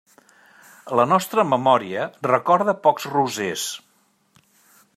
La nostra memòria recorda pocs rosers.